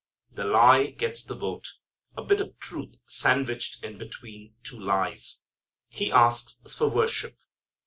The lie gets the vote. A bit of truth sandwiched in between two lies. He asks for worship.